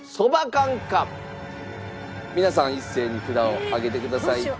皆さん一斉に札を上げてください。